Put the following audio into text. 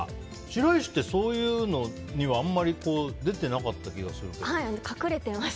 白石って、そういうのにはあんまり出てなかった気がするけど。